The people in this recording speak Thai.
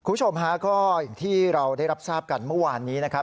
คุณผู้ชมฮะก็อย่างที่เราได้รับทราบกันเมื่อวานนี้นะครับ